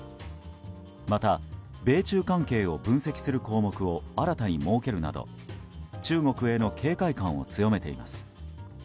また、米中関係を分析する項目を新たに設けるなど中国への警戒感を強めています。